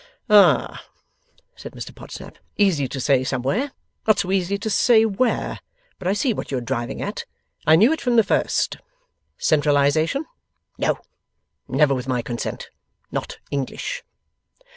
'Ah!' said Mr Podsnap. 'Easy to say somewhere; not so easy to say where! But I see what you are driving at. I knew it from the first. Centralization. No. Never with my consent. Not English.